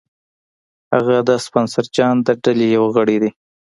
هغه د سپنسر جان د ډلې یو غړی دی